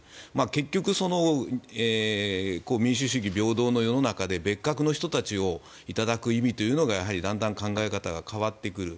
結局民主主義、平等の世の中で別格の人たちを頂く意味というのがだんだん考え方が変わってくる。